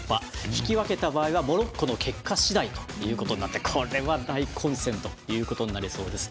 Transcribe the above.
引き分けた場合はモロッコの結果次第ということになってこれは大混戦ということになりそうです。